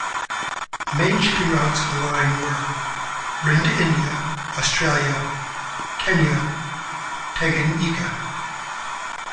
The main shipping routes of the line were: Britain to India, Australia, Kenya, Tanganyika.